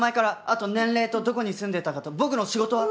あと年齢とどこに住んでたかと僕の仕事は？